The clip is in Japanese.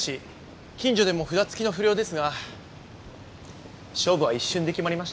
近所でも札付きの不良ですが勝負は一瞬で決まりました。